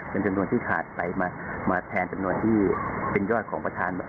เป็นจำนวนที่ขาดไปมาแทนจำนวนที่เป็นยอดของประธาน